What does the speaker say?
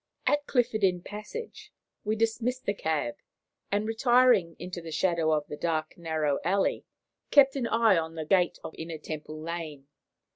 At Clifford's Inn Passage we dismissed the cab, and, retiring into the shadow of the dark, narrow alley, kept an eye on the gate of Inner Temple Lane.